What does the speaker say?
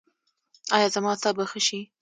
ایا زما اعصاب به ښه شي؟